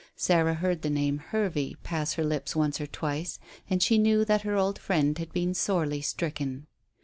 Sarah heard the name "Hervey" pass her lips once or twice, and she knew that her old friend had been sorely stricken.